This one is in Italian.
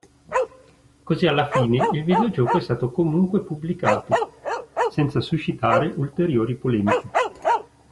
Così alla fine il videogioco è stato comunque pubblicato, senza suscitare ulteriori polemiche.